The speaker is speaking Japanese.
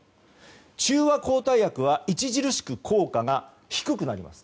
中和抗体薬は著しく効果が低くなります。